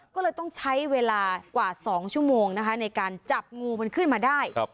ก็เลยต้องใช้เวลากว่า๒ชั่วโมงนะคะในการจับงูมันขึ้นมาได้